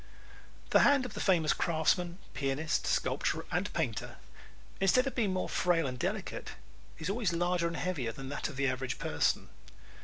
The hand of the famous craftsman, pianist, sculptor and painter, instead of being more frail and delicate, is always larger and heavier than that of the average person.